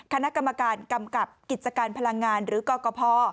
คณะกรรมการกำกับกิจการพลังงานหรือกรกภ